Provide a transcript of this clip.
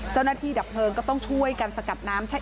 เจ้าหน้าที่ดับเพลิงก็ต้องช่วยกันสกับน้ำ